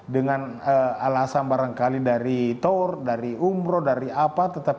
dengan alasan barangkali dari tor dari umro dari apa